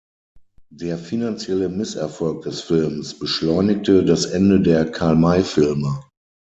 Der finanzielle Misserfolg des Films beschleunigte das Ende der Karl-May-Filme.